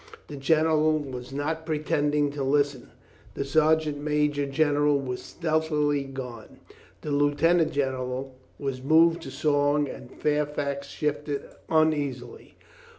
The general was not pretending to listen. The sergeant major gen eral was stealthily gone. The lieutenant general was moved to song and Fairfax shifted uneasily.